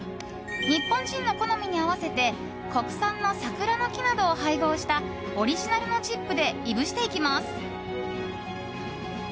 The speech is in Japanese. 日本人の好みに合わせて国産の桜の木などを配合したオリジナルのチップでいぶしていきます。